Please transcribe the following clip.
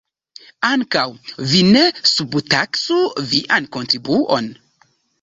Ankaŭ vi ne subtaksu vian kontribuon.